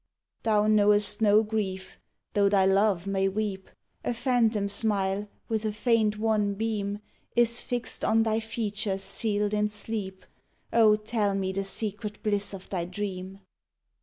Thou knowest no grief, though thy love may weep. A phantom smile, with a faint, wan beam, Is fixed on thy features sealed in sleep: Oh tell me the secret bliss of thy dream.